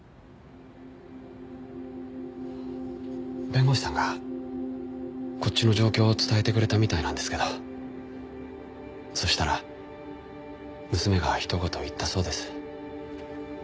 弁護士さんがこっちの状況を伝えてくれたみたいなんですけどそしたら娘がひと言言ったそうです。